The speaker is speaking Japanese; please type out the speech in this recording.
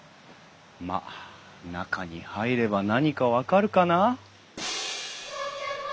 まあ中に入れば何か分かるかな。